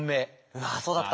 うわあそうだった。